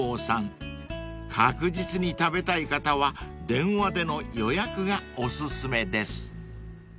［確実に食べたい方は電話での予約がお薦めです］